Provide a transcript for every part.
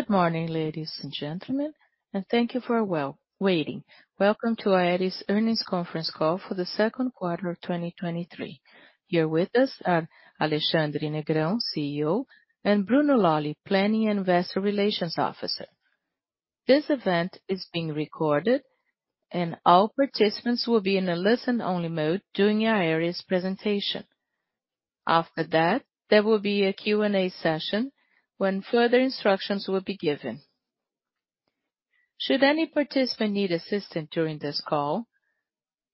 Good morning, ladies and gentlemen, and thank you for well, waiting. Welcome to Aeris Earnings Conference call for the second quarter of 2023. Here with us are Alexandre Negrão, CEO, and Bruno Lolli, Director of Planning and Investor Relations. This event is being recorded, and all participants will be in a listen-only mode during Aeris presentation. After that, there will be a Q&A session when further instructions will be given. Should any participant need assistance during this call,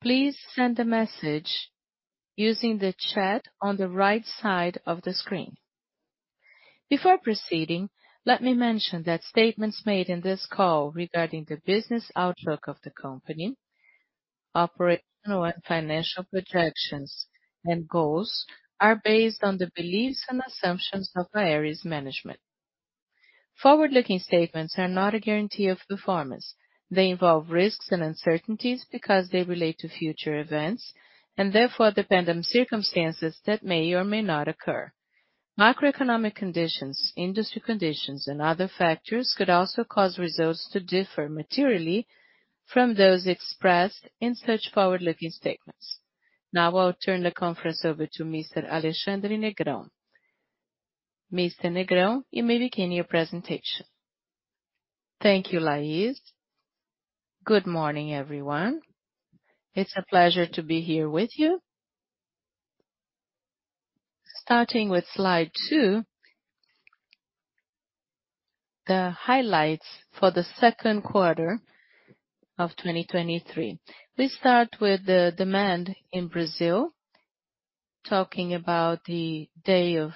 please send a message using the chat on the right side of the screen. Before proceeding, let me mention that statements made in this call regarding the business outlook of the company, operational and financial protections and goals, are based on the beliefs and assumptions of Aeris management. Forward-looking statements are not a guarantee of performance. They involve risks and uncertainties because they relate to future events and therefore depend on circumstances that may or may not occur. Microeconomic conditions, industry conditions, and other factors could also cause results to differ materially from those expressed in such forward-looking statements. Now, I'll turn the conference over to Mr. Alexandre Negrão. Mr. Negrão, you may begin your presentation. Thank you, Lais. Good morning, everyone. It's a pleasure to be here with you. Starting with slide 2, the highlights for the second quarter of 2023. We start with the demand in Brazil, talking about the day of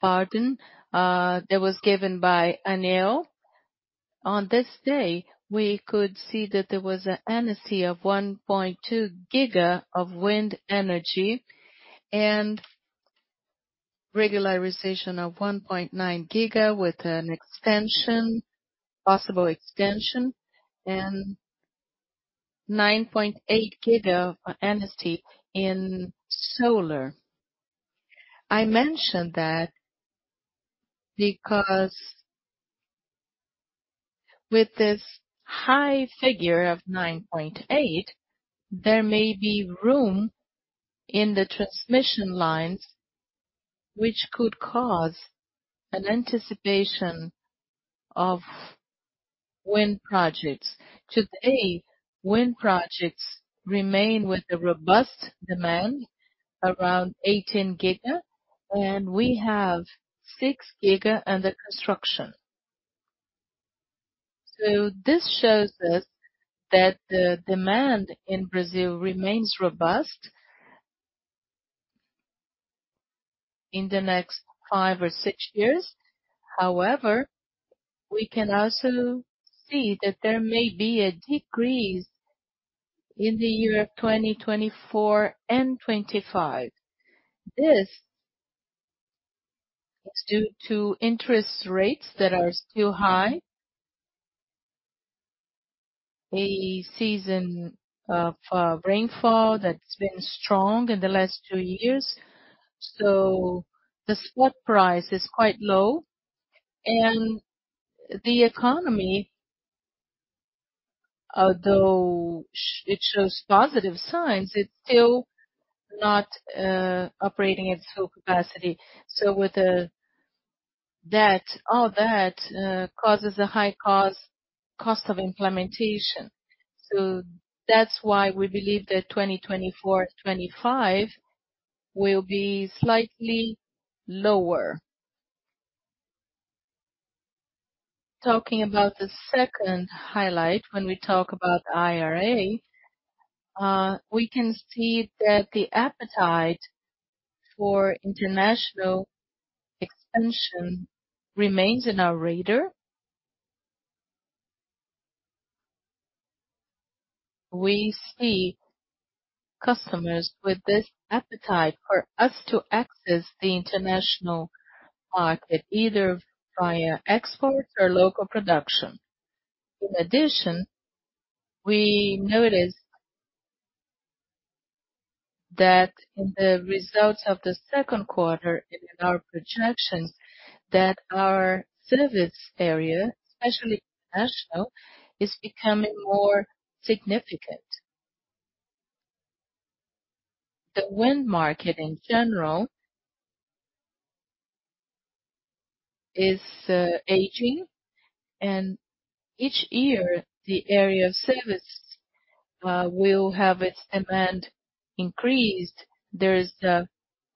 pardon that was given by ANEEL. On this day, we could see that there was an amnesty of 1.2 GW of wind energy and regularization of 1.9 GW, with an extension, possible extension, and 9.8 GW amnesty in solar. I mentioned that because with this high figure of 9.8, there may be room in the transmission lines, which could cause an anticipation of wind projects. Today, wind projects remain with a robust demand around 18 giga, and we have 6 giga under construction. This shows us that the demand in Brazil remains robust in the next 5 or 6 years. However, we can also see that there may be a decrease in the year of 2024 and 2025. This is due to interest rates that are still high. A season of rainfall that's been strong in the last 2 years, so the spot price is quite low. The economy, although it shows positive signs, it's still not operating at full capacity. With that, all that causes a high cost, cost of implementation. That's why we believe that 2024, 25 will be slightly lower. Talking about the second highlight, when we talk about IRA, we can see that the appetite for international expansion remains in our radar. We see customers with this appetite for us to access the international market, either via exports or local production. In addition, we noticed that in the results of the second quarter, in our projections, that our service area, especially international, is becoming more significant. The wind market in general is aging, and each year, the area of service will have its demand increased. There's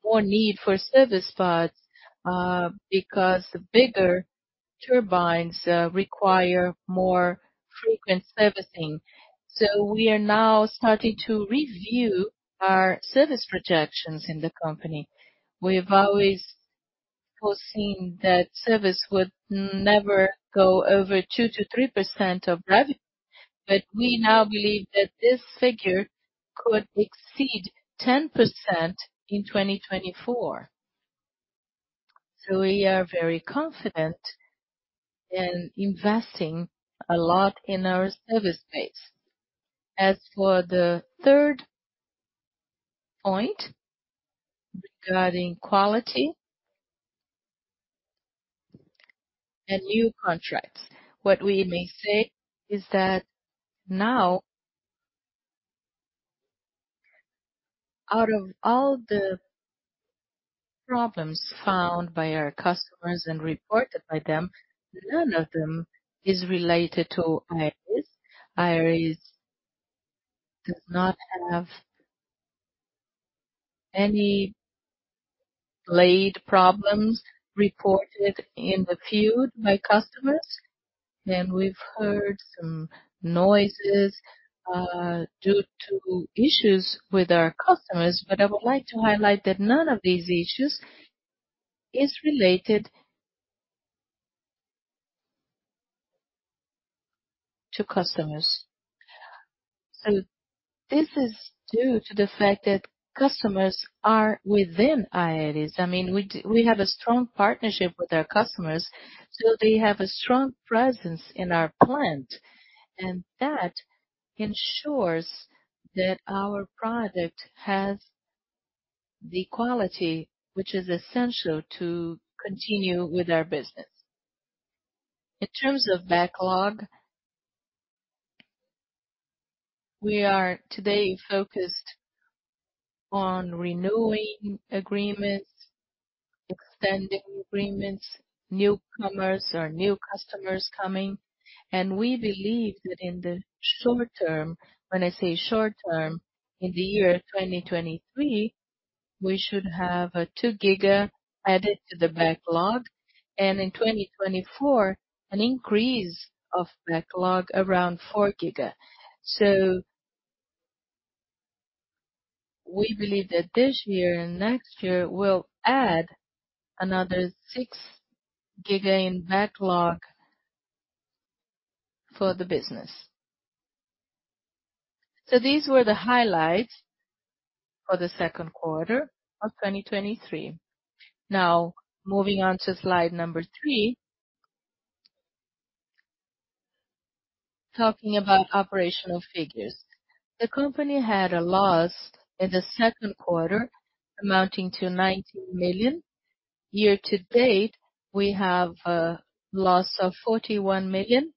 more need for service parts, because the bigger turbines require more frequent servicing. We are now starting to review our service projections in the company. We've always foreseen that service would never go over 2%-3% of revenue, but we now believe that this figure could exceed 10% in 2024. We are very confident in investing a lot in our service space. As for the third point regarding quality and new contracts. What we may say is that now, out of all the problems found by our customers and reported by them, none of them is related to Aeris. Aeris does not have any blade problems reported in the field by customers. We've heard some noises due to issues with our customers, but I would like to highlight that none of these issues is related to customers. This is due to the fact that customers are within Aeris. I mean, we have a strong partnership with our customers. They have a strong presence in our plant. That ensures that our product has the quality, which is essential to continue with our business. In terms of backlog, we are today focused on renewing agreements, extending agreements, newcomers or new customers coming. We believe that in the short term, when I say short term, in the year 2023, we should have 2 GW added to the backlog, and in 2024, an increase of backlog around 4 GW. We believe that this year and next year will add another 6 GW in backlog for the business. These were the highlights for the second quarter of 2023. Now, moving on to slide number 3. Talking about operational figures. The company had a loss in the second quarter, amounting to 90 million. Year to date, we have a loss of 41 million.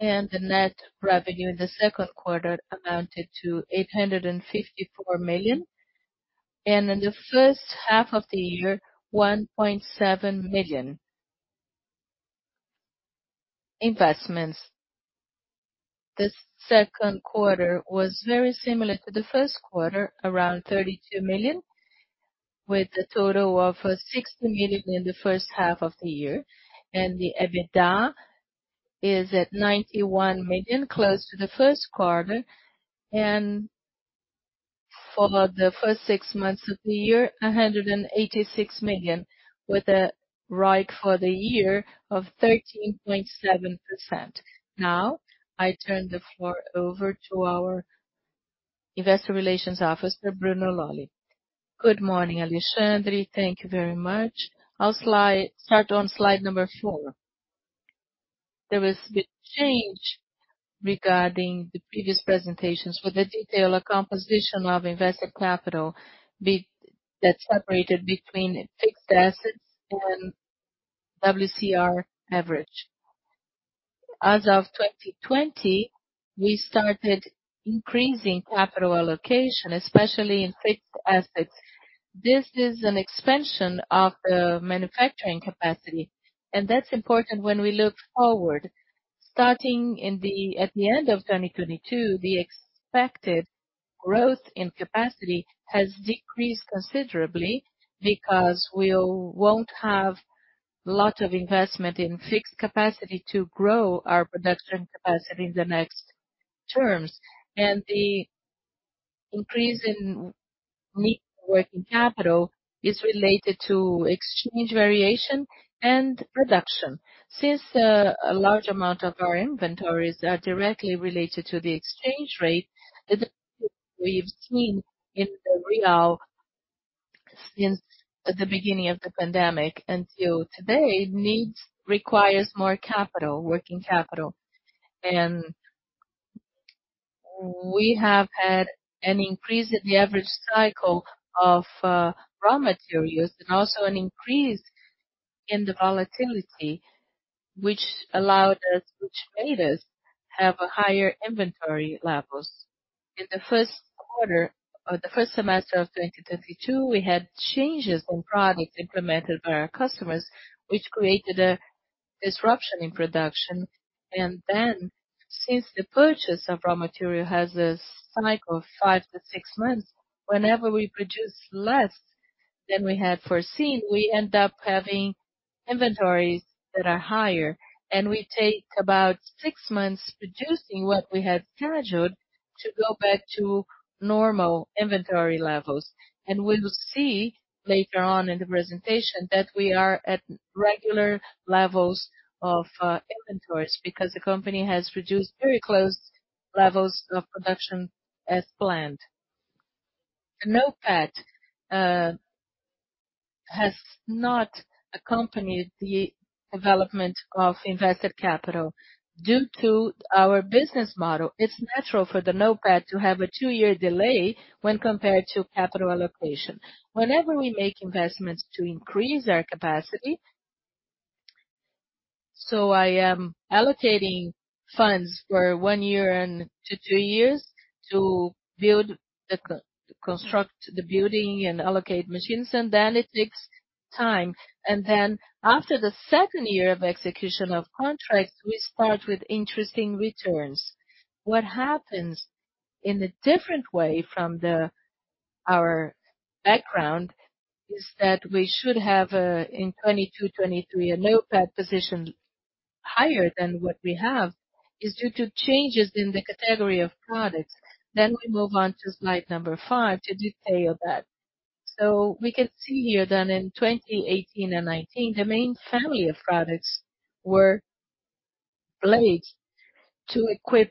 The net revenue in the second quarter amounted to 854 million, in the first half of the year, 1.7 million. Investments. This second quarter was very similar to the first quarter, around 32 million, with a total of 60 million in the first half of the year. The EBITDA is at 91 million, close to the first quarter, for the first six months of the year, 186 million, with a ROIC for the year of 13.7%. Now, I turn the floor over to our investor relations officer, Bruno Lolli. Good morning, Alexandre. Thank you very much. I'll start on slide number 4. There was a bit change regarding the previous presentations with the detail, a composition of invested capital that's separated between fixed assets and WCR average. As of 2020, we started increasing capital allocation, especially in fixed assets. This is an expansion of the manufacturing capacity, and that's important when we look forward. At the end of 2022, the expected growth in capacity has decreased considerably because we'll won't have a lot of investment in fixed capacity to grow our production capacity in the next terms. The increase in net working capital is related to exchange variation and production. Since a large amount of our inventories are directly related to the exchange rate, the we've seen in the Real, since at the beginning of the pandemic until today, needs, requires more capital, working capital. We have had an increase in the average cycle of raw materials and also an increase in the volatility, which made us have a higher inventory levels. In the first quarter, the first semester of 2022, we had changes in products implemented by our customers, which created a disruption in production. Since the purchase of raw material has a cycle of 5-6 months, whenever we produce less than we had foreseen, we end up having inventories that are higher, and we take about 6 months reducing what we had purchased to go back to normal inventory levels. We will see later on in the presentation that we are at regular levels of inventories, because the company has reduced very close levels of production as planned. NOPAT has not accompanied the development of invested capital. Due to our business model, it's natural for the NOPAT to have a 2-year delay when compared to capital allocation. Whenever we make investments to increase our capacity, I am allocating funds for 1 year and to 2 years to construct the building and allocate machines, and then it takes time. After the 2nd year of execution of contracts, we start with interesting returns. What happens in a different way from the, our background, is that we should have in 2022, 2023, a NOPAT position higher than what we have, is due to changes in the category of products. We move on to slide number 5 to detail that. We can see here that in 2018 and 2019, the main family of products were blades to equip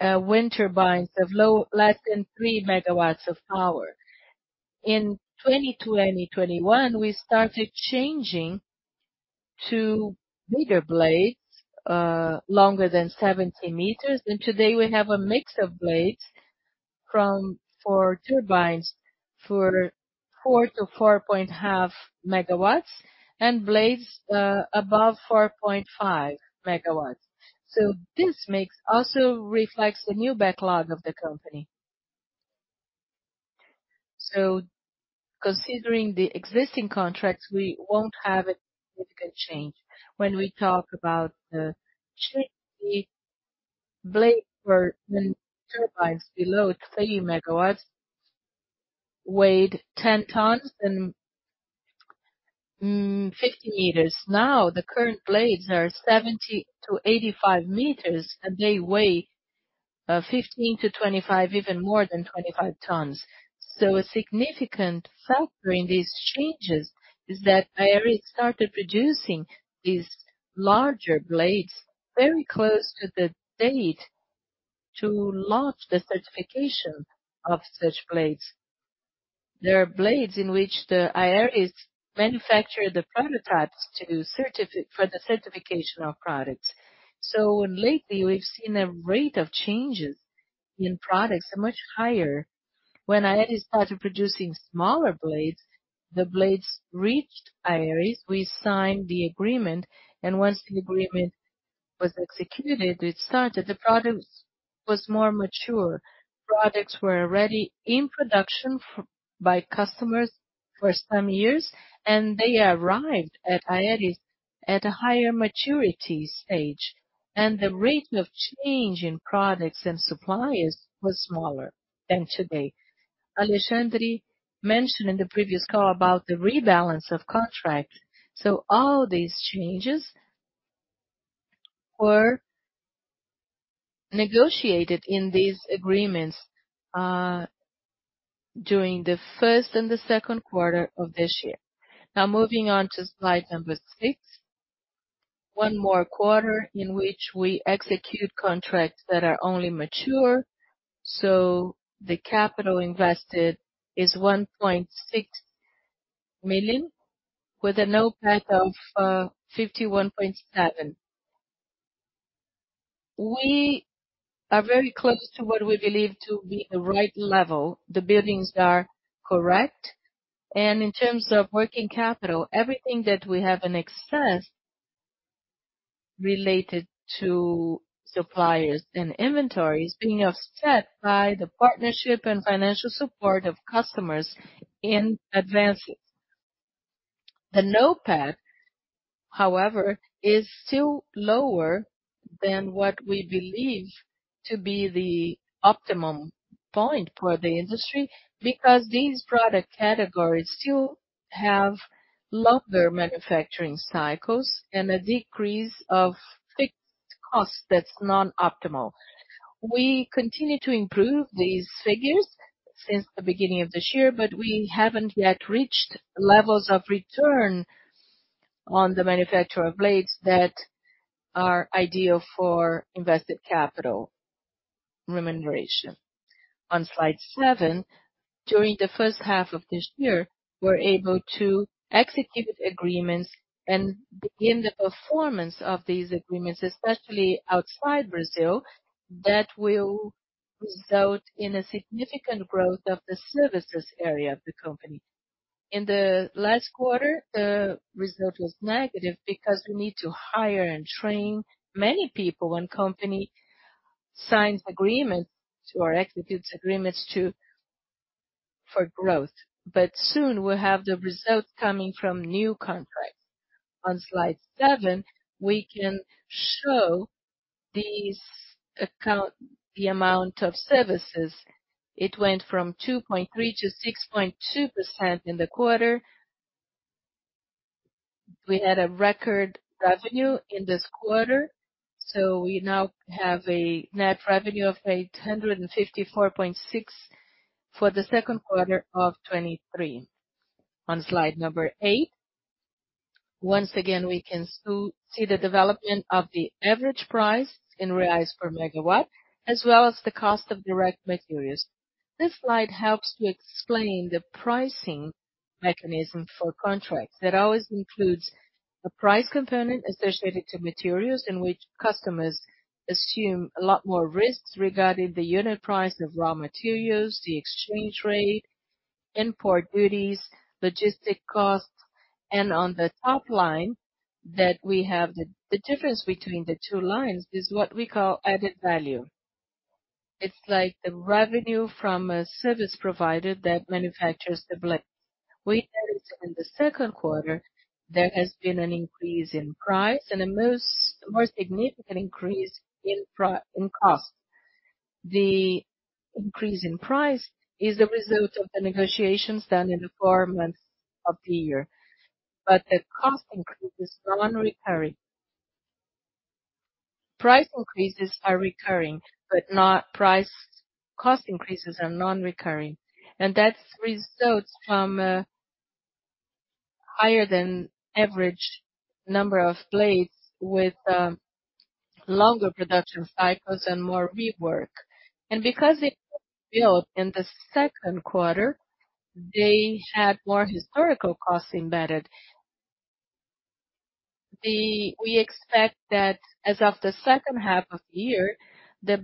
wind turbines of low, less than 3 MW of power. In 2020, 2021, we started changing to bigger blades, longer than 70 meters, and today we have a mix of blades from for turbines, for 4 to 4.5 MW, and blades above 4.5 MW. This mix also reflects the new backlog of the company. Considering the existing contracts, we won't have a significant change when we talk about the blade for wind turbines below 3 MW, weighed 10 tons and 50 meters. Now, the current blades are 70-85 meters, and they weigh 15-25 tons, even more than 25 tons. A significant factor in these changes is that Aeris started producing these larger blades very close to the date to launch the certification of such blades. There are blades in which Aeris manufacture the prototypes for the certification of products. Lately, we've seen a rate of changes in products are much higher. When Aeris started producing smaller blades, the blades reached Aeris, we signed the agreement, and once the agreement was executed, we started, the product was more mature. Products were already in production by customers for some years, and they arrived at Aeris at a higher maturity stage, and the rate of change in products and suppliers was smaller than today. Alexandre mentioned in the previous call about the rebalance of contract, so all these changes were negotiated in these agreements during the first and the second quarter of this year. Moving on to slide number six. One more quarter in which we execute contracts that are only mature, so the capital invested is 1.6 million, with a NOPAT of 51.7. We are very close to what we believe to be the right level. The buildings are correct. In terms of working capital, everything that we have in excess related to suppliers and inventories, being offset by the partnership and financial support of customers in advances. The NOPAT, however, is still lower than what we believe to be the optimum point for the industry, because these product categories still have longer manufacturing cycles and a decrease of fixed costs that's non-optimal. We continue to improve these figures since the beginning of this year, but we haven't yet reached levels of return on the manufacture of blades that are ideal for invested capital remuneration. On slide seven, during the first half of this year, we're able to execute agreements and begin the performance of these agreements, especially outside Brazil, that will result in a significant growth of the services area of the company. In the last quarter, the result was negative because we need to hire and train many people when company signs agreements or executes agreements for growth. Soon, we'll have the results coming from new contracts. On slide seven, we can show these account, the amount of services. It went from 2.3%-6.2% in the quarter. We had a record revenue in this quarter, we now have a net revenue of 854.6 million for the second quarter of 2023. On slide number 8. Once again, we can see, see the development of the average price in BRL per MW, as well as the cost of direct materials. This slide helps to explain the pricing mechanism for contracts, that always includes a price component associated to materials, in which customers assume a lot more risks regarding the unit price of raw materials, the exchange rate, import duties, logistics costs. On the top line, that we have the, the difference between the two lines is what we call added value. It's like the revenue from a service provider that manufactures the blade. We had it in the 2nd quarter, there has been an increase in price and a more significant increase in cost. The increase in price is a result of the negotiations done in the 4 months of the year, but the cost increase is non-recurring. Price increases are recurring, but not price-- cost increases are non-recurring. That's results from higher than average number of blades with longer production cycles and more rework. Because it was built in the 2Q, they had more historical costs embedded. We expect that as of the 2H of the year, the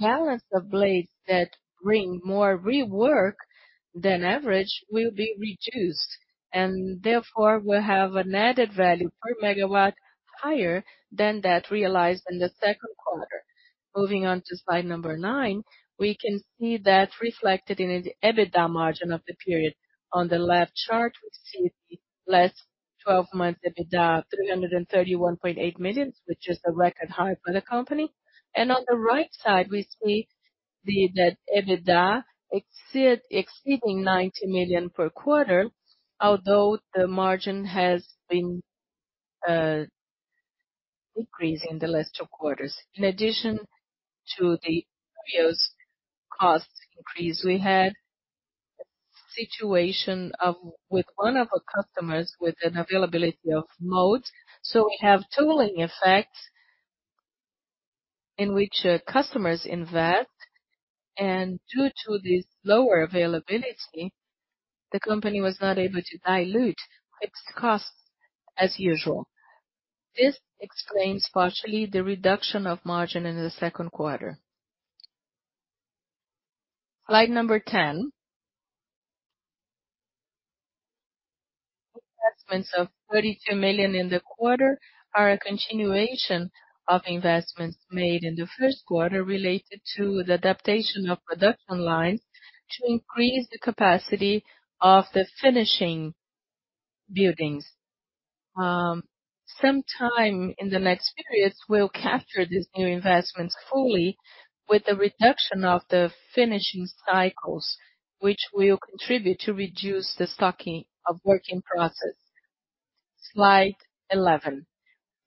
balance of blades that bring more rework than average will be reduced, and therefore, will have an added value per MW higher than that realized in the 2Q. Moving on to slide number 9, we can see that reflected in the EBITDA margin of the period. On the left chart, we see the last 12 months, EBITDA, 331.8 million, which is a record high for the company. On the right side, we see the, that EBITDA exceeding 90 million per quarter, although the margin has been decreasing in the last 2 quarters. In addition to the previous costs increase, we had a situation of, with one of our customers with an availability of modes. We have tooling effect in which customers invest, and due to this lower availability, the company was not able to dilute its costs as usual. This explains partially the reduction of margin in the second quarter. Slide number 10. Investments of 32 million in the quarter are a continuation of investments made in the first quarter, related to the adaptation of production lines to increase the capacity of the finishing buildings. Sometime in the next periods, we'll capture these new investments fully with the reduction of the finishing cycles, which will contribute to reduce the stocking of work-in-process. Slide 11.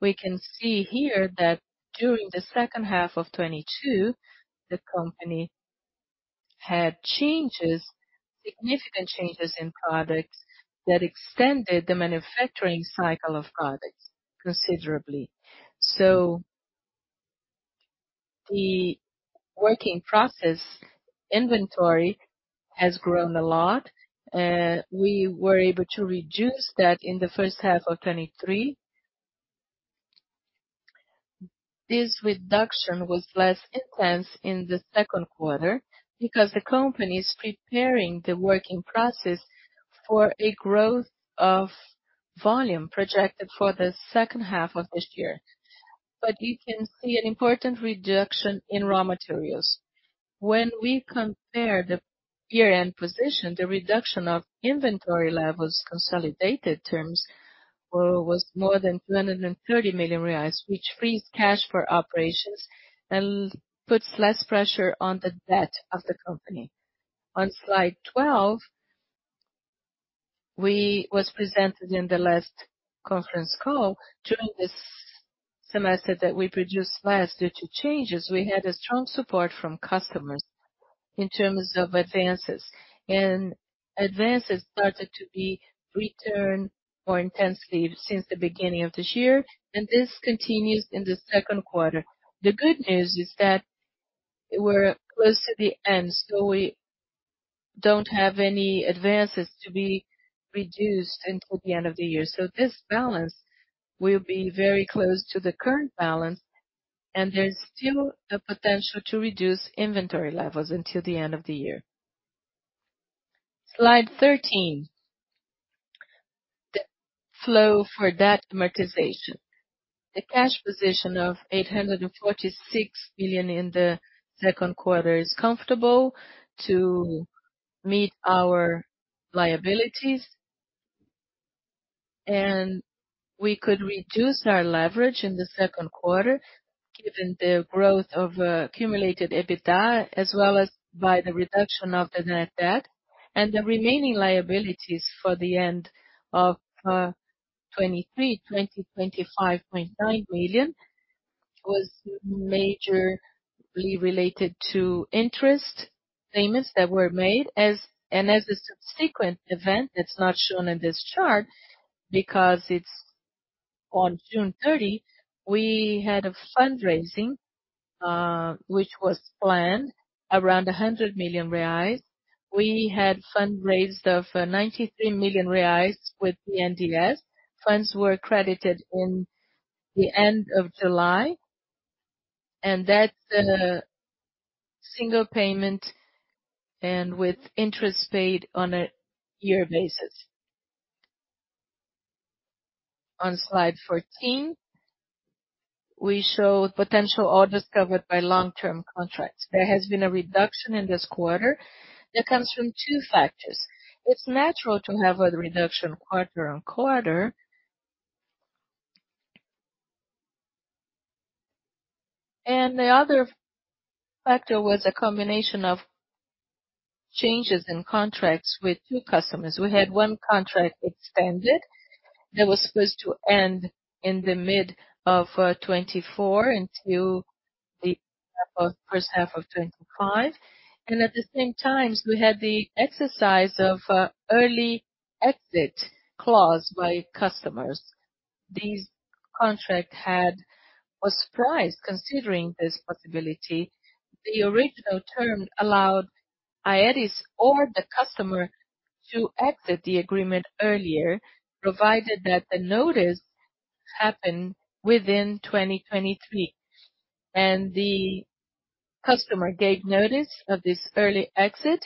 We can see here that during the second half of 2022, the company had changes, significant changes in products, that extended the manufacturing cycle of products considerably. The work-in-process inventory has grown a lot, we were able to reduce that in the first half of 2023. This reduction was less intense in the second quarter because the company is preparing the work-in-process for a growth of volume projected for the second half of this year. You can see an important reduction in raw materials. When we compare the year-end position, the reduction of inventory levels, consolidated terms, was more than 230 million reais, which frees cash for operations and puts less pressure on the debt of the company. On slide 12, we was presented in the last conference call, during this semester, that we produced less due to changes. We had a strong support from customers in terms of advances. Advances started to be returned more intensely since the beginning of this year, and this continues in the second quarter. The good news is that we're close to the end, so we don't have any advances to be reduced until the end of the year. This balance will be very close to the current balance, and there's still the potential to reduce inventory levels until the end of the year. Slide 13. The flow for debt amortization. The cash position of 846 billion in the second quarter is comfortable to meet our liabilities. We could reduce our leverage in the second quarter, given the growth of accumulated EBITDA, as well as by the reduction of the net debt. The remaining liabilities for the end of 2023, BRL 25.9 million, was majorly related to interest payments that were made and as a subsequent event that's not shown in this chart, because it's on June 30, we had a fundraising, which was planned around 100 million reais. We had fundraised of 93 million reais with BNDES. Funds were credited in the end of July, and that's a single payment and with interest paid on a year basis. On slide 14, we show potential orders covered by long-term contracts. There has been a reduction in this quarter that comes from two factors. It's natural to have a reduction quarter-on-quarter. The other factor was a combination of changes in contracts with two customers. We had one contract extended that was supposed to end in the mid of 2024 until the first half of 2025, and at the same time, we had the exercise of early exit clause by customers. These contract was priced considering this possibility. The original term allowed Aeris or the customer to exit the agreement earlier, provided that the notice happen within 2023, and the customer gave notice of this early exit.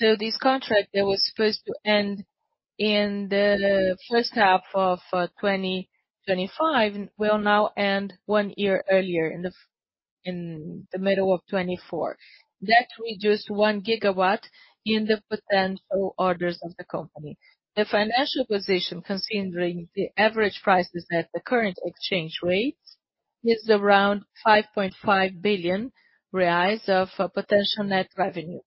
This contract that was supposed to end in the first half of 2025, will now end one year earlier in the middle of 2024. That reduced 1 GW in the potential orders of the company. The financial position, considering the average prices at the current exchange rate, is around 5.5 billion reais of potential net revenue.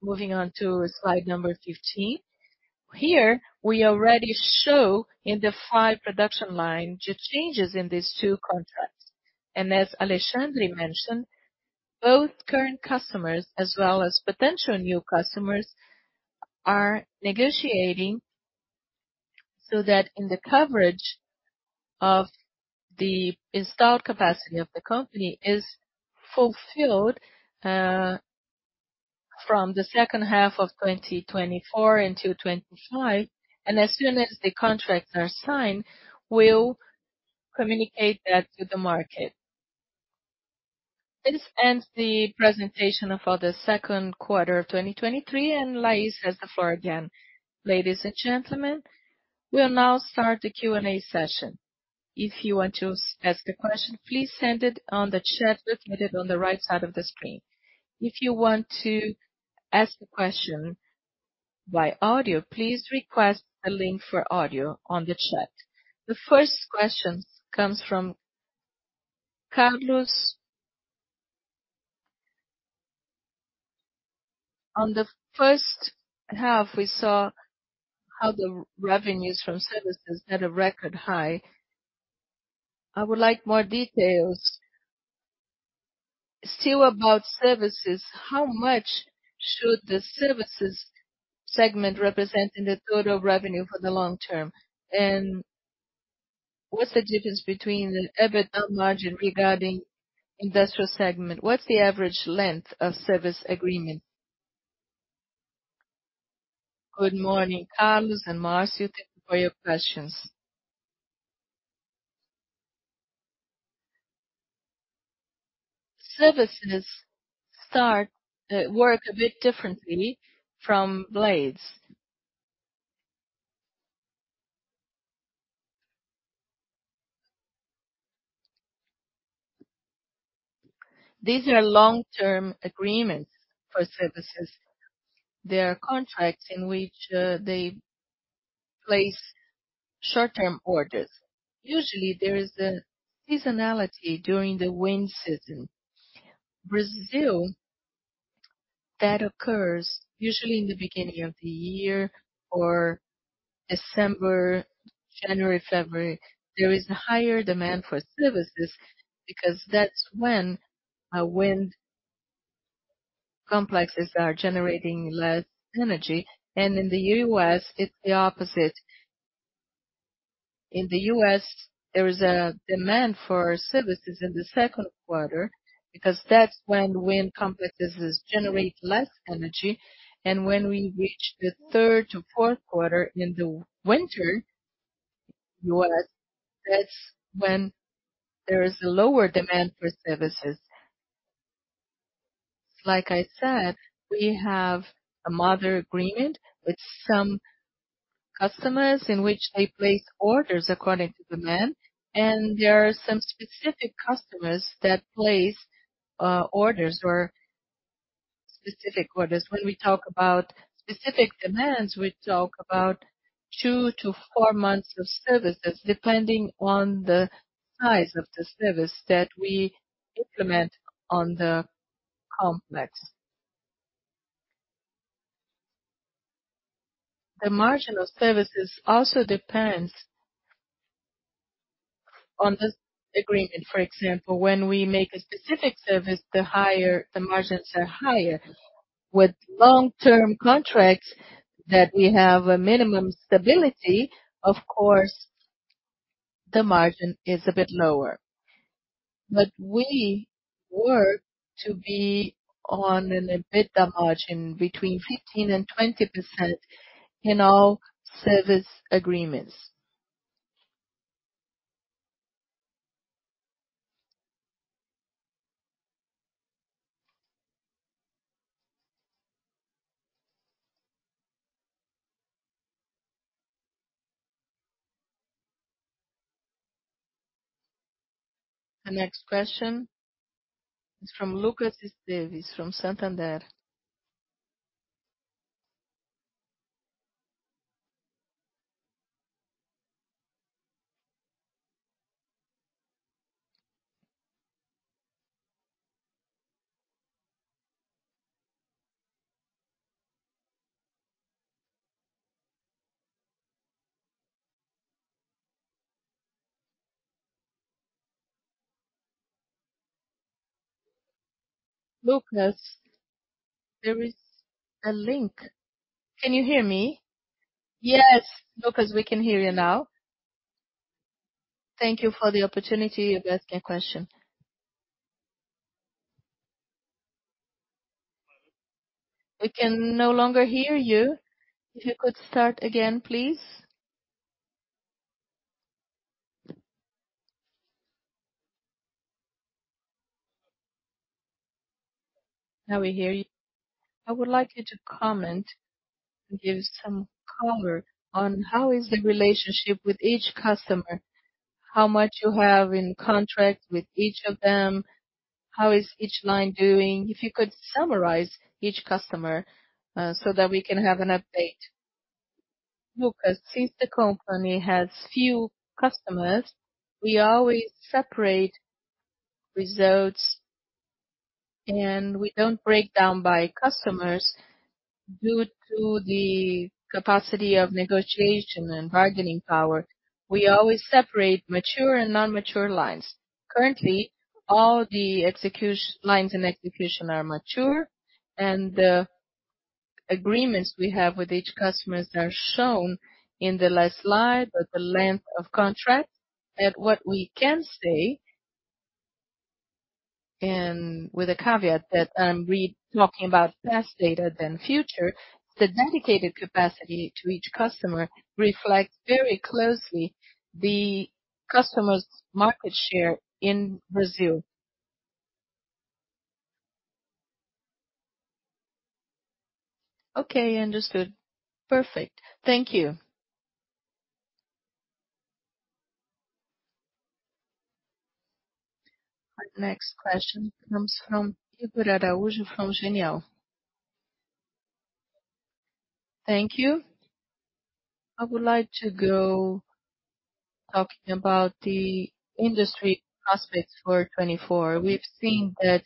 Moving on to slide number 15. Here, we already show in the 5 production line, the changes in these two contracts. As Alexandre mentioned, both current customers as well as potential new customers, are negotiating so that in the coverage of the installed capacity of the company is fulfilled from the second half of 2024 until 2025, and as soon as the contracts are signed, we'll communicate that to the market. This ends the presentation for the second quarter of 2023, and Lais has the floor again. Ladies and gentlemen, we'll now start the Q&A session. If you want to ask a question, please send it on the chat located on the right side of the screen. If you want to ask the question by audio, please request a link for audio on the chat. The first question comes from Carlos. On the first half, we saw how the revenues from services had a record high. I would like more details. Still about services, how much should the services segment represent in the total revenue for the long term? What's the difference between the EBITDA margin regarding industrial segment? What's the average length of service agreement? Good morning, Carlos and Marcia. Thank you for your questions. Services start, work a bit differently from blades. These are long-term agreements for services. There are contracts in which, they place short-term orders. Usually, there is a seasonality during the wind season. Brazil, that occurs usually in the beginning of the year or December, January, February. There is a higher demand for services because that's when wind complexes are generating less energy. In the US, it's the opposite. In the US, there is a demand for services in the 2nd quarter because that's when wind complexes generate less energy. When we reach the 3rd to 4th quarter in the winter, US, that's when there is a lower demand for services. Like I said, we have a mother agreement with some customers in which they place orders according to demand. There are some specific customers that place orders or specific orders. When we talk about specific demands, we talk about 2-4 months of services, depending on the size of the service that we implement on the complex. The margin of services also depends on this agreement. For example, when we make a specific service, the higher, the margins are higher. With long-term contracts that we have a minimum stability, of course, the margin is a bit lower. We work to be on an EBITDA margin between 15% and 20% in all service agreements. The next question is from Lucas Barbosa, from Santander. Lucas, there is a link. Can you hear me? Yes, Lucas, we can hear you now. Thank you for the opportunity to ask a question. We can no longer hear you. If you could start again, please. Now we hear you. I would like you to comment and give some color on how is the relationship with each customer, how much you have in contract with each of them, how is each line doing? If you could summarize each customer so that we can have an update. Lucas, since the company has few customers, we always separate results. We don't break down by customers due to the capacity of negotiation and bargaining power. We always separate mature and non-mature lines. Currently, all the lines and execution are mature. The agreements we have with each customers are shown in the last slide, the length of contract. What we can say, and with a caveat, that I'm talking about past data than future, the dedicated capacity to each customer reflects very closely the customer's market share in Brazil. Okay, understood. Perfect. Thank you. Our next question comes from Igor Araujo, from Genial. Thank you. I would like to go talking about the industry prospects for 2024. We've seen that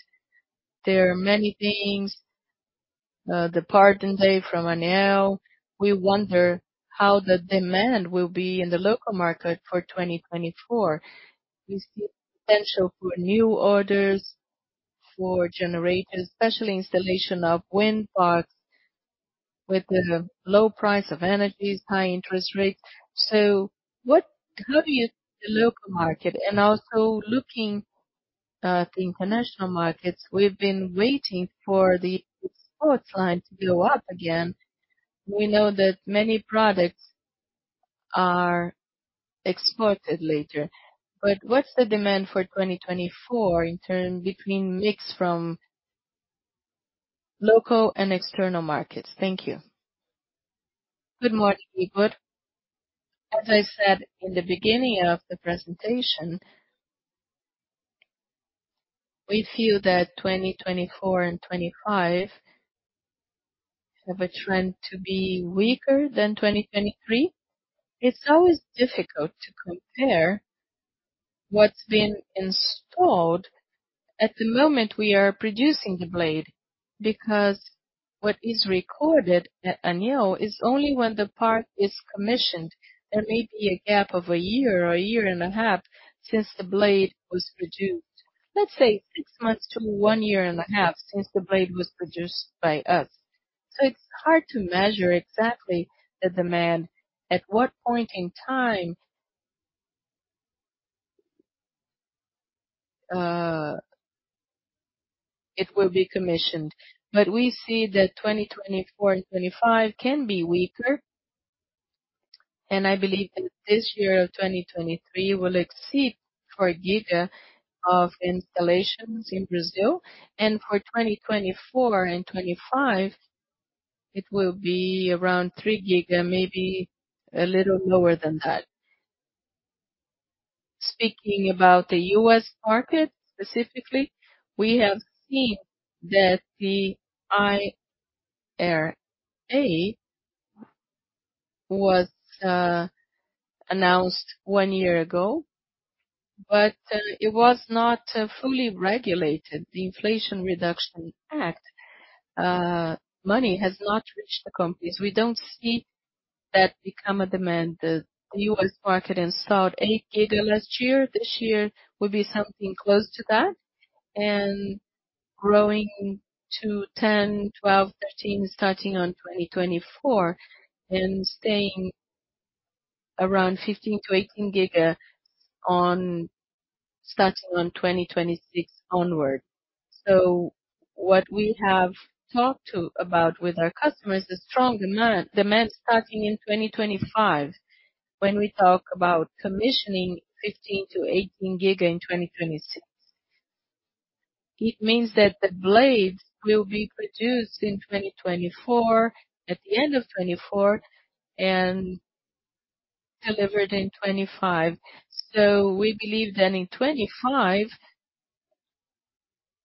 there are many things, the part day from ANEEL. We wonder how the demand will be in the local market for 2024. We see potential for new orders for generators, especially installation of wind parks, with the low price of energies, high interest rates. How do you see the local market? Also looking at the international markets, we've been waiting for the export line to go up again. We know that many products are exported later, what's the demand for 2024 in term between mix from local and external markets? Thank you. Good morning, Igor. As I said in the beginning of the presentation, we feel that 2024 and 25 have a trend to be weaker than 2023. It's always difficult to compare what's been installed. At the moment, we are producing the blade, because what is recorded at ANEEL is only when the park is commissioned. There may be a gap of 1 year or 1.5 years since the blade was produced. Let's say 6 months to 1.5 years since the blade was produced by us. It's hard to measure exactly the demand, at what point in time, it will be commissioned. We see that 2024 and 2025 can be weaker, and I believe that this year of 2023 will exceed 4 GW of installations in Brazil, and for 2024 and 2025, it will be around 3 GW, maybe a little lower than that. Speaking about the U.S. market, specifically, we have seen that the IRA was announced 1 year ago. It was not fully regulated. The Inflation Reduction Act money has not reached the companies. We don't see that become a demand. The U.S. market installed 8 GW last year. This year will be something close to that, growing to 10, 12, 13 GW starting on 2024, and staying around 15-18 GW starting on 2026 onward. What we have talked about with our customers, the strong demand, demand starting in 2025, when we talk about commissioning 15-18 GW in 2026. It means that the blades will be produced in 2024, at the end of 2024, and delivered in 2025. We believe that in 2025,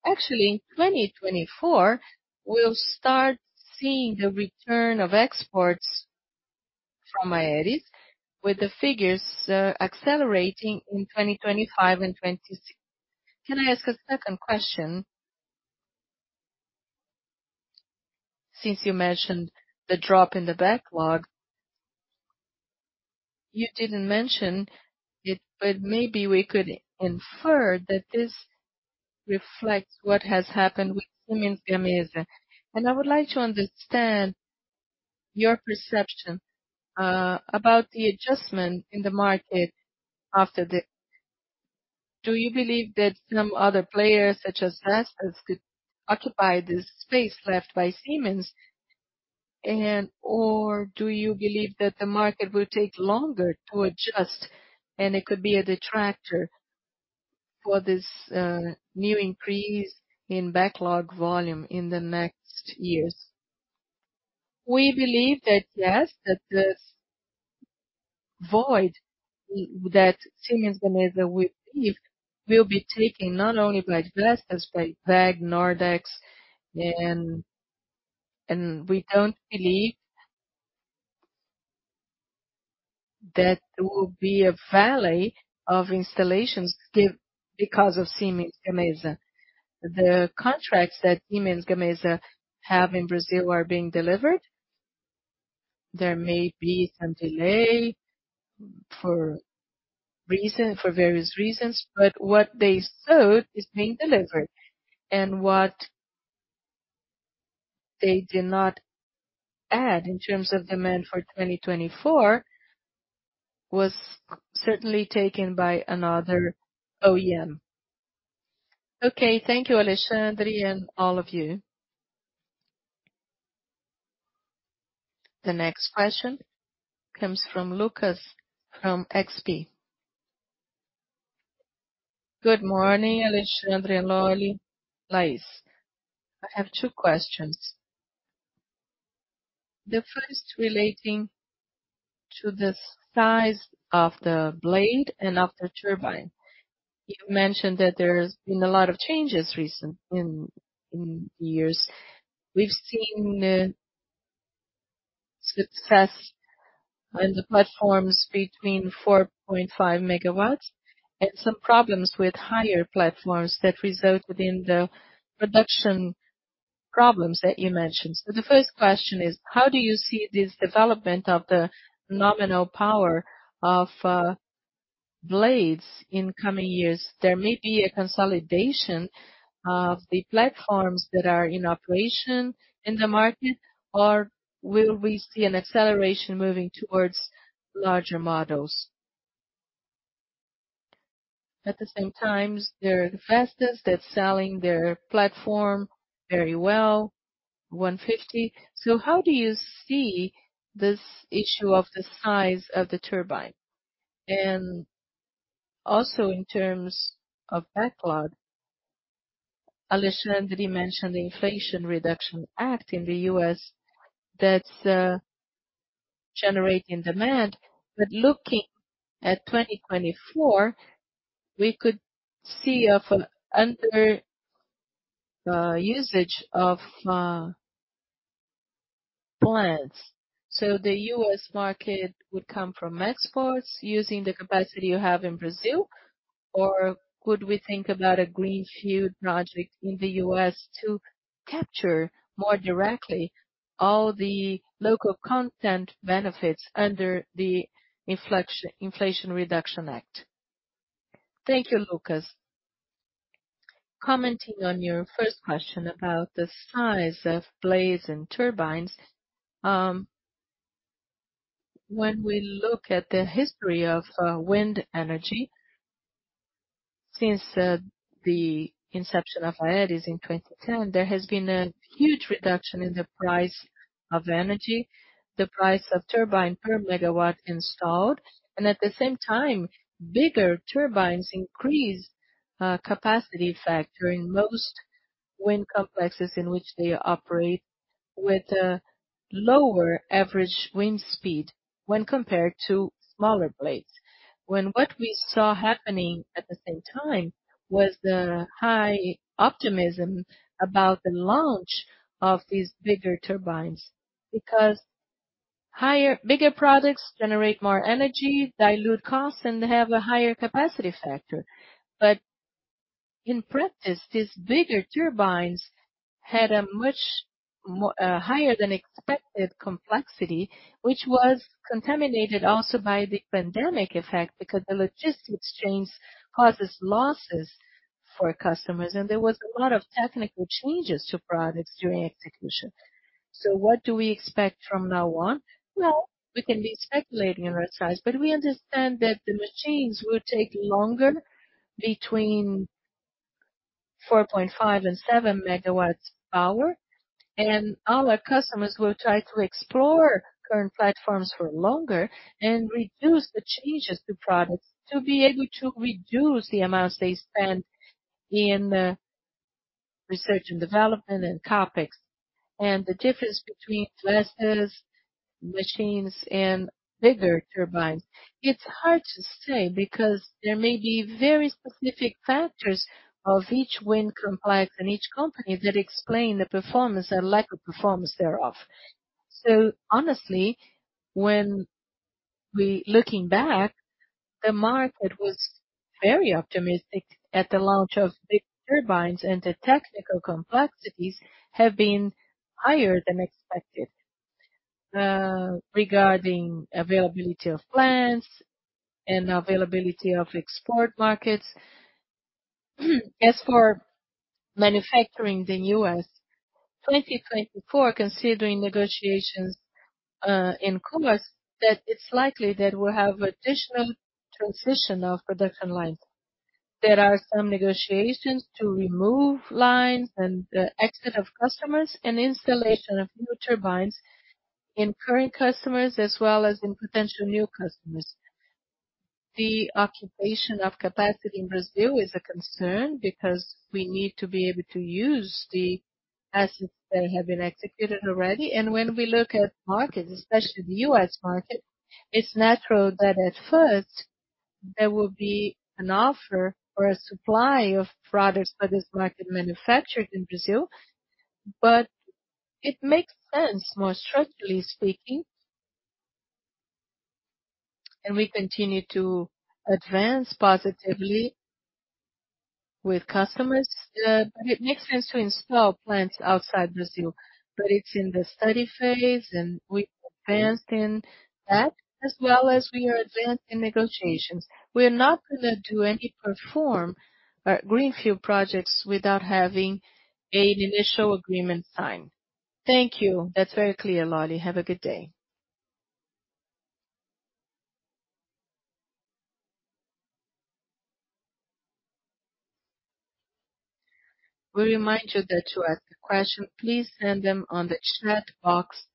actually, in 2024, we'll start seeing a return of exports from Aeris, with the figures accelerating in 2025 and 2026. Can I ask a second question? Since you mentioned the drop in the backlog, you didn't mention it, but maybe we could infer that this reflects what has happened with Siemens Gamesa. I would like to understand your perception about the adjustment in the market after this. Do you believe that some other players, such as Vestas, could occupy this space left by Siemens, or do you believe that the market will take longer to adjust, and it could be a detractor for this new increase in backlog volume in the next years? We believe that, yes, that this void that Siemens Gamesa will leave, will be taken not only by Vestas, by WEG, Nordex, and, and we don't believe that there will be a valley of installations because of Siemens Gamesa. The contracts that Siemens Gamesa have in Brazil are being delivered. There may be some delay for reason, for various reasons, but what they sold is being delivered. What they did not add, in terms of demand for 2024, was certainly taken by another OEM. Okay, thank you, Alexandre, and all of you. The next question comes from Lucas, from XP. Good morning, Alexandre, Lolli, Lais. I have two questions. The first relating to the size of the blade and of the turbine. You mentioned that there's been a lot of changes recent in years. We've seen success in the platforms between 4.5 MW, and some problems with higher platforms that resulted in the production problems that you mentioned. The first question is: How do you see this development of the nominal power of blades in coming years? There may be a consolidation of the platforms that are in operation in the market, or will we see an acceleration moving towards larger models? At the same time, there are the Vestas that's selling their platform very well, 150. How do you see this issue of the size of the turbine? Also in terms of backlog, Alexandre, did you mention the Inflation Reduction Act in the U.S. that's generating demand. Looking at 2024, we could see a under usage of plants. The U.S. market would come from exports using the capacity you have in Brazil, or could we think about a greenfield project in the U.S. to capture more directly all the local content benefits under the Inflation Reduction Act? Thank you, Lucas. Commenting on your first question about the size of blades and turbines. When we look at the history of wind energy, since the inception of Aeris in 2010, there has been a huge reduction in the price of energy, the price of turbine per MW installed. At the same time, bigger turbines increase capacity factor in most wind complexes in which they operate, with a lower average wind speed when compared to smaller blades. When what we saw happening at the same time, was the high optimism about the launch of these bigger turbines, Higher, bigger products generate more energy, dilute costs, and have a higher capacity factor. In practice, these bigger turbines had a much higher than expected complexity, which was contaminated also by the pandemic effect, because the logistics change causes losses for customers, and there was a lot of technical changes to products during execution. What do we expect from now on? We can be speculating on that size, but we understand that the machines will take longer between 4.5 and 7 MW power, and our customers will try to explore current platforms for longer and reduce the changes to products to be able to reduce the amounts they spend in research and development and CapEx. The difference between uncertain and bigger turbines, it's hard to say because there may be very specific factors of each wind complex and each company that explain the performance and lack of performance thereof. Honestly, when looking back, the market was very optimistic at the launch of big turbines, and the technical complexities have been higher than expected regarding availability of plants and availability of export markets. As for manufacturing in the U.S., 2024, considering negotiations in commerce, that it's likely that we'll have additional transition of production lines. There are some negotiations to remove lines and the exit of customers and installation of new turbines in current customers, as well as in potential new customers. The occupation of capacity in Brazil is a concern because we need to be able to use the assets that have been executed already. When we look at markets, especially the U.S. market, it's natural that at first there will be an offer or a supply of products for this market manufactured in Brazil. It makes sense, more structurally speaking, and we continue to advance positively with customers, but it makes sense to install plants outside Brazil. It's in the study phase and we've advanced in that as well as we are advancing negotiations. We're not gonna do any perform, greenfield projects without having an initial agreement signed. Thank you. That's very clear, Lolli. Have a good day. We remind you that to ask a question, please send them on the chat box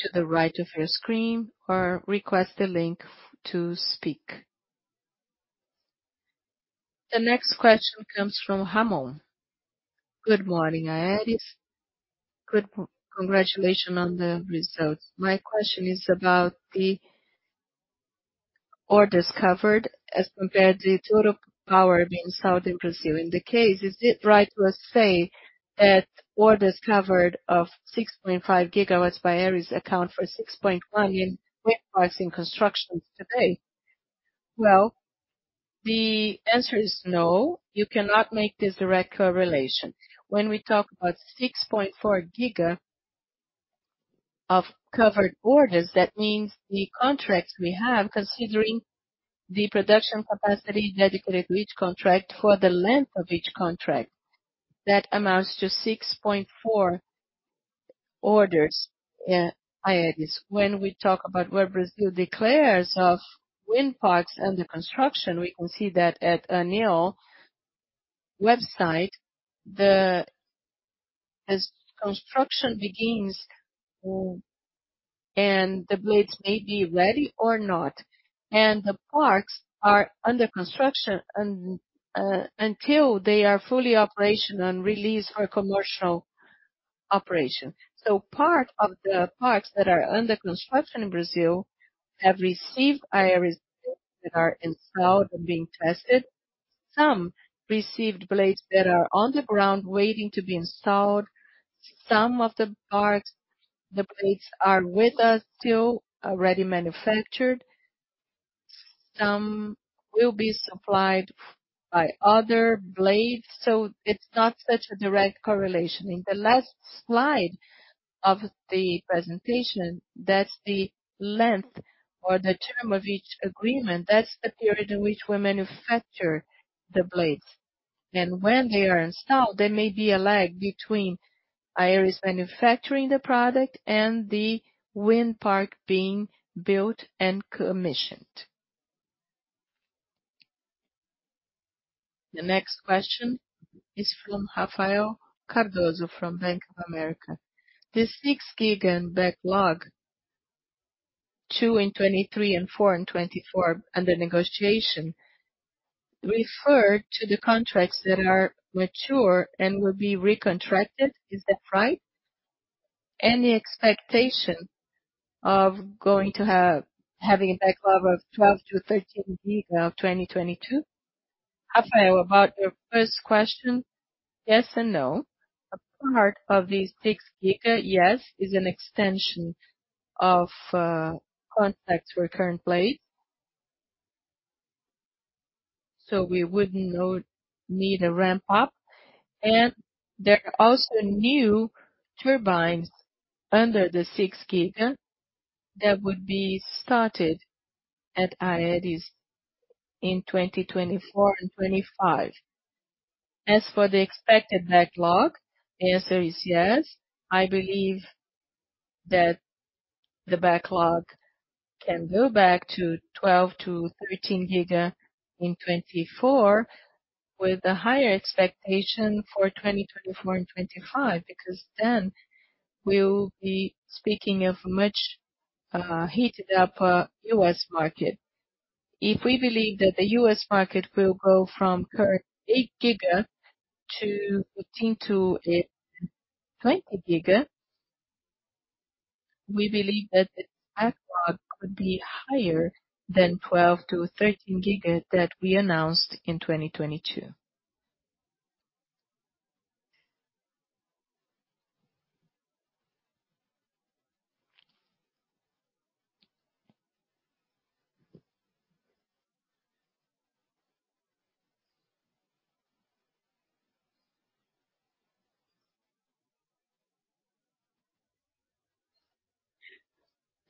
to the right of your screen or request a link to speak. The next question comes from Ramon. Good morning, Aeris. Congratulations on the results. My question is about the orders covered as compared to total power being sold in Brazil. In the case, is it right to say that orders covered of 6.5 GW by Aeris account for 6.1 in wind parks in constructions today? Well, the answer is no, you cannot make this direct correlation. When we talk about 6.4 GW of covered orders, that means the contracts we have, considering the production capacity dedicated to each contract for the length of each contract, that amounts to 6.4 orders, Aeris. When we talk about where Brazil declares of wind parks under construction, we can see that at a new website. As construction begins and the blades may be ready or not, and the parks are under construction until they are fully operational and released for commercial operation. Part of the parks that are under construction in Brazil have received Aeris that are installed and being tested. Some received blades that are on the ground waiting to be installed. Some of the parks, the blades are with us, still already manufactured. Some will be supplied by other blades, it's not such a direct correlation. In the last slide of the presentation, that's the length or the term of each agreement. That's the period in which we manufacture the blades. When they are installed, there may be a lag between Aeris manufacturing the product and the wind park being built and commissioned. The next question is from Rafael Cardoso, from Bank of America. This 6 GW in backlog, 2 in 2023 and 4 in 2024, under negotiation, refer to the contracts that are mature and will be recontracted. Is that right? Any expectation of having a backlog of 12-13 GW of 2022? Rafael, about your first question, yes and no. A part of these 6 GW, yes, is an extension of contracts we're currently. We would not need a ramp up, and there are also new turbines under the 6 GW that would be started at Aeris in 2024 and 2025. As for the expected backlog, the answer is yes. I believe that the backlog can go back to 12-13 GW in 2024, with a higher expectation for 2024 and 2025, because then we will be speaking of much heated up U.S. market. If we believe that the U.S. market will go from current 8 GW to 14-20 GW, we believe that the backlog would be higher than 12-13 GW that we announced in 2022.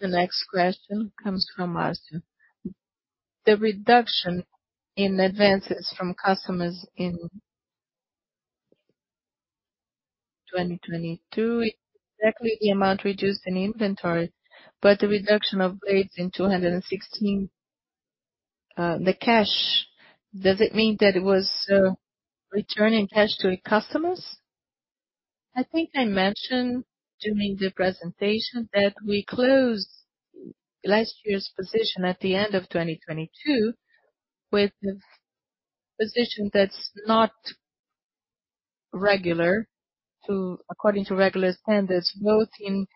The next question comes from Aston. The reduction in advances from customers in 2022, exactly the amount reduced in inventory, but the reduction of blades in 216, the cash, does it mean that it was returning cash to the customers? I think I mentioned during the presentation that we closed last year's position at the end of 2022, with a position that's not regular according to regular standards, both in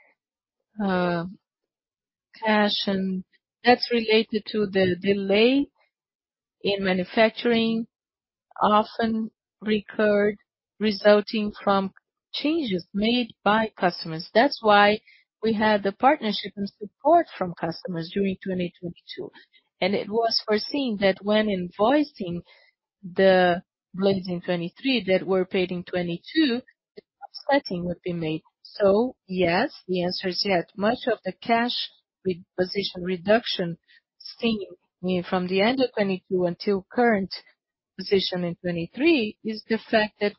cash, and that's related to the delay in manufacturing, often recurred, resulting from changes made by customers. That's why we had the partnership and support from customers during 2022, and it was foreseen that when invoicing the blades in 2023 that were paid in 2022, the offsetting would be made. Yes, the answer is yes. Much of the cash re- position reduction seen from the end of 2022 until current position in 2023, is the fact that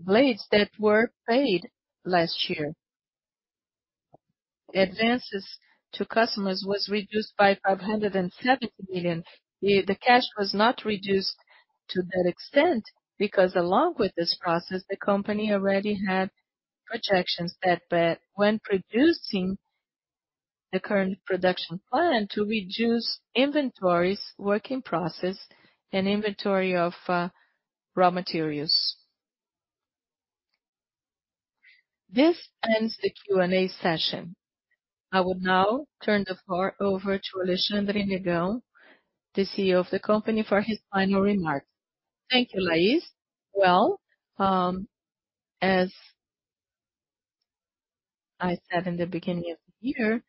we are billing blades that were paid last year. Advances to customers was reduced by 570 million. The, the cash was not reduced to that extent, because along with this process, the company already had projections that, that when producing the current production plan to reduce inventories, work-in-process, and inventory of raw materials. This ends the Q&A session. I will now turn the floor over to Alexandre Negrão, the CEO of the company, for his final remarks. Thank you, Lais. Well, as I said in the beginning of the year,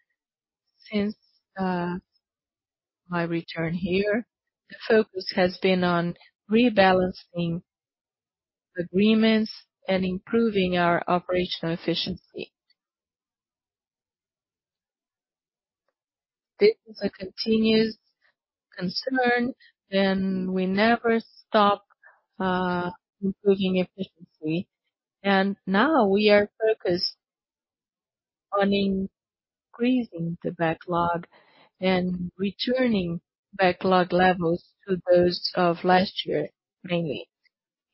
since my return here, the focus has been on rebalancing agreements and improving our operational efficiency. This is a continuous concern, and we never stop improving efficiency. Now we are focused on increasing the backlog and returning backlog levels to those of last year, mainly.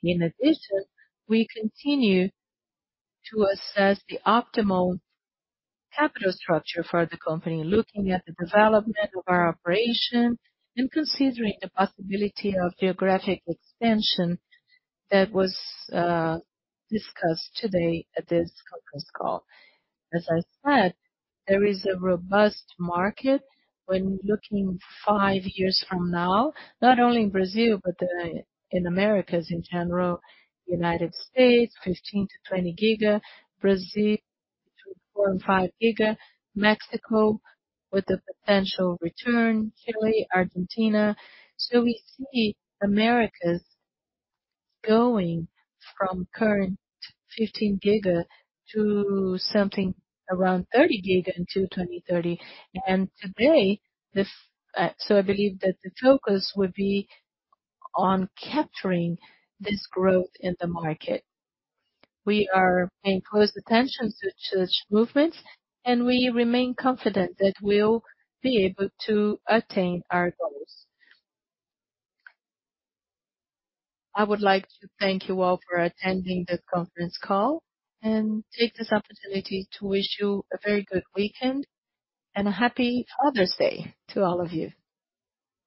In addition, we continue to assess the optimal capital structure for the company, looking at the development of our operation and considering the possibility of geographic expansion that was discussed today at this conference call. As I said, there is a robust market when looking five years from now, not only in Brazil, but in Americas in general. United States, 15-20 GW, Brazil, 4 and 5 GW, Mexico with a potential return, Chile, Argentina. We see Americas going from current 15 GW to something around 30 GW until 2030. Today, I believe that the focus would be on capturing this growth in the market. We are paying close attention to such movements, and we remain confident that we'll be able to attain our goals. I would like to thank you all for attending this conference call, and take this opportunity to wish you a very good weekend, and a happy Father's Day to all of you.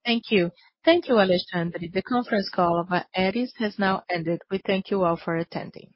Thank you. Thank you, Alexandre. The conference call of Aeris has now ended. We thank you all for attending.